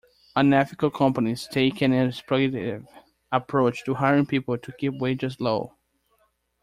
Unethical companies take an exploitative approach to hiring people to keep wages low.